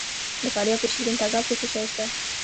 د فاریاب په شیرین تګاب کې څه شی شته؟